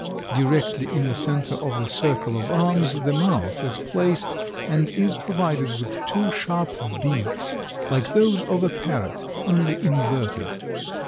Directly in the center of the circle of arms the mouth is placed and is provided with two sharp beaks like those of a parrot, only inverted.